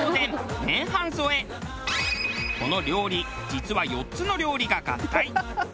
この料理実は４つの料理が合体。